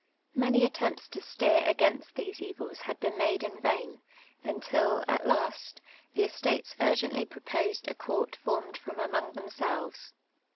Many attempts to steer against these evils had been made in vain, imtil, at last, the estates urgently proposed a court formed from among themselves.